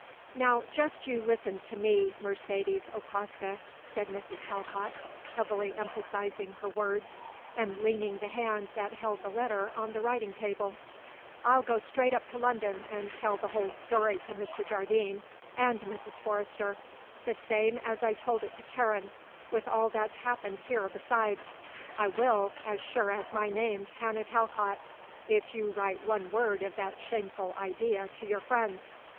"Now just you listen to me, Mercedes Okraska," said Mrs. Talcott, heavily emphasizing her words and leaning the hand that held the letter on the writing table, "I'll go straight up to London and tell the whole story to Mr. Jardine and Mrs. Forrester the same as I told it to Karen with all that's happened here besides I will as sure as my name's Hannah Talcott if you write one word of that shameful idea to your friends.